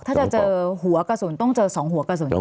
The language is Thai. ถ้าจะเจอหัวกระสุนต้องเจอ๒หัวกระสุนจริง